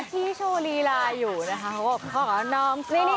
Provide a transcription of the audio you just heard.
พี่โชลีลาอยู่นะคะขอน้ำขอไป